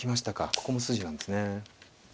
ここも筋なんですね。